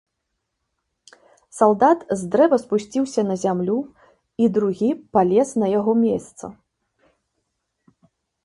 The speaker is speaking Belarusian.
Салдат з дрэва спусціўся на зямлю, і другі палез на яго месца.